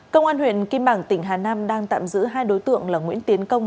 cơ quan huyện kim bảng tỉnh hà nam đang tạm giữ hai đối tượng là nguyễn tiến công